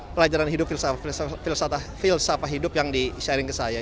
pelajaran hidup filsafah hidup yang di sharing ke saya